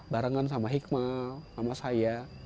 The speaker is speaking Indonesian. barengan sama hikmah sama saya